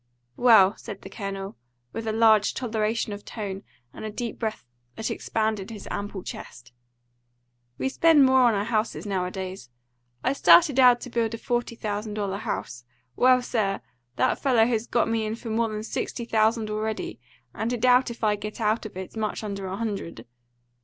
"Well," said the Colonel, with a large toleration of tone and a deep breath that expanded his ample chest, "we spend more on our houses nowadays. I started out to build a forty thousand dollar house. Well, sir! that fellow has got me in for more than sixty thousand already, and I doubt if I get out of it much under a hundred.